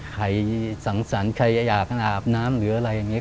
ขายสังสรรค์ขายขยะอยากน้ำหรืออะไรเงี้ย